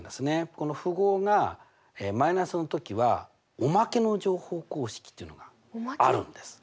この符号が−の時はおまけの乗法公式ってのがあるんです。